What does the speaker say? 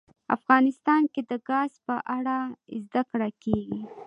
افغانستان کې د ګاز په اړه زده کړه کېږي.